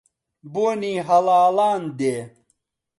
بۆنی هەڵاڵان دێ